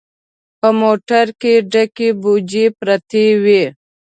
په موټر کې ډکې بوجۍ پرتې وې.